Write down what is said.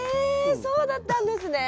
そうだったんですね。